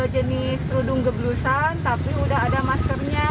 jenis kerudung geblusan tapi udah ada maskernya